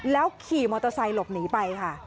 แล้วขี่มอเตอร์ไซค์หลบหนีไปค่ะ